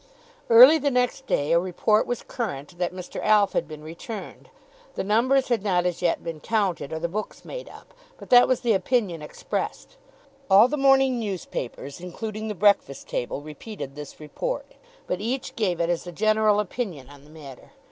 Early the next day a report was current that Mr. Alf had been returned. The numbers had not as yet been counted, or the books made up; but that was the opinion expressed. All the morning newspapers, including the "Breakfast Table," repeated this report, but each gave it as the general opinion on the matter.